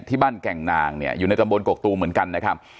แก่งนางเนี่ยอยู่ในตำบลกกตูมเหมือนกันนะครับ